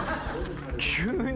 急に。